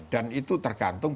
dan itu tergantung